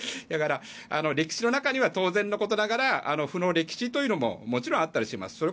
だから歴史の中には当然のことながら負の歴史ももちろんあったりします。